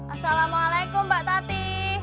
assalamu'alaikum mbak tati